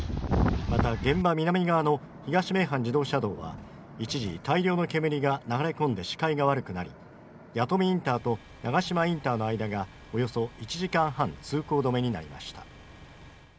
また、現場南側の東名阪自動車道は一時、大量の煙が流れ込んで視界が悪くなり弥富インターと長島インターの間がおよそ１時間半通行止めになりました。